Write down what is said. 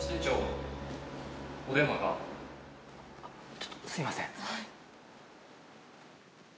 ちょっとすいません。